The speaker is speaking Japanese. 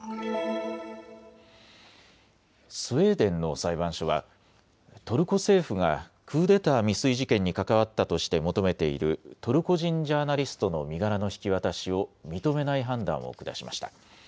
スウェーデンの裁判所はトルコ政府がクーデター未遂事件に関わったとして求めているトルコ人ジャーナリストの身柄の引き渡しを認めない判断を下しました。